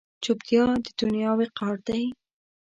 چوپتیا، د دنیا وقار دی.